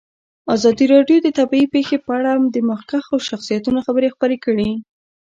ازادي راډیو د طبیعي پېښې په اړه د مخکښو شخصیتونو خبرې خپرې کړي.